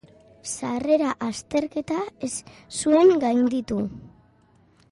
Sarrera azterketa ez zuen gainditu.